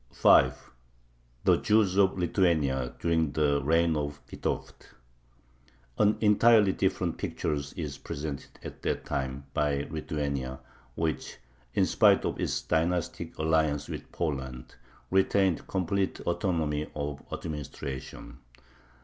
5. THE JEWS OF LITHUANIA DURING THE REIGN OF VITOVT An entirely different picture is presented at that time by Lithuania, which, in spite of its dynastic alliance with Poland, retained complete autonomy of administration.